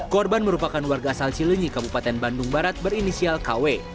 korban merupakan warga asal cilenyi kabupaten bandung barat berinisial kw